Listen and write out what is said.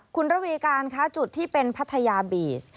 คุณระวีการคะจุดที่เป็นพัทยาบีช